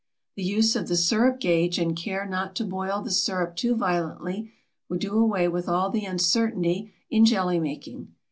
The use of the sirup gauge and care not to boil the sirup too violently would do away with all uncertainty in jelly making.